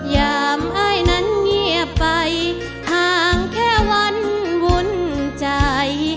ยามอายนั้นเงียบไปห่างแค่วันวุ่นใจ